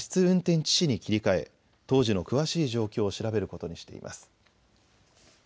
運転致死に切り替え、当時の詳しい状況を調べることにしています。